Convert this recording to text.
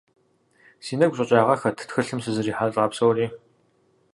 Си нэгу щӀэкӀагъэххэт тхылъым сызыщрихьэлӀэ псори.